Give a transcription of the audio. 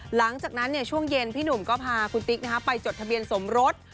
หลังจากนั้นช่วงเย็นพี่หนุ่มก็พาคุณติ๊กไปจดทะเบียนสมรส